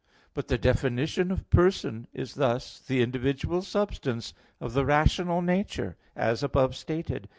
But the definition of "person" is this: "The individual substance of the rational nature," as above stated.